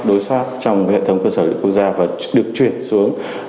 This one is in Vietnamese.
đối soát trong hệ thống cơ sở dữ liệu quốc gia và được chuyển xuống